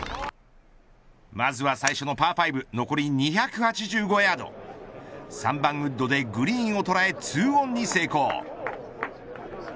まずは最初のパー５残り２８５ヤード３番ウッドでグリーンを捉えツーオンに成功。